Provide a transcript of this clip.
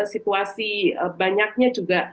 situasi banyaknya juga